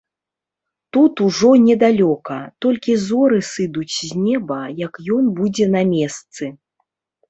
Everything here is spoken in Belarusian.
Тут ужо недалёка, толькі зоры сыдуць з неба, як ён будзе на месцы.